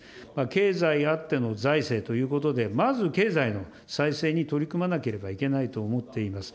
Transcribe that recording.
経済あっての財政ということで、まず経済の再生に取り組まなければいけないと思っています。